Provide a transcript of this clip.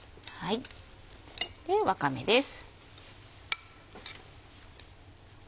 わかめです。